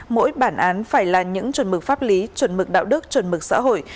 mỗi bản án phải là những chuẩn mực pháp lý chuẩn mực đạo đức chuẩn mực xã hội